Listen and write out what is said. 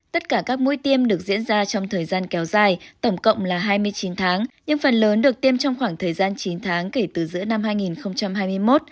tất cả các mũi tiêm được diễn ra trong thời gian kéo dài tổng cộng là hai mươi chín tháng nhưng phần lớn được tiêm trong khoảng thời gian chín tháng kể từ giữa năm hai nghìn hai mươi một